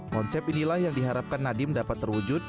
konsep inilah yang diharapkan nadiem dapat terwujud